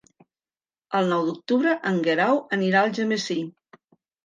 El nou d'octubre en Guerau anirà a Algemesí.